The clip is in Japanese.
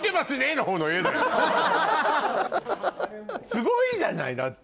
すごいじゃないだって。